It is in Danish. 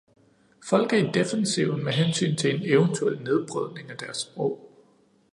Folk er i defensiven med hensyn til en eventuel nedbrydning af deres sprog.